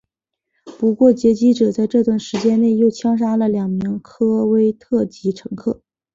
不过劫机者在这段时间内又枪杀了两名科威特籍乘客。